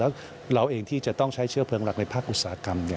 แล้วเราเองที่จะต้องใช้เชื้อเพลิงหลักในภาคอุตสาหกรรม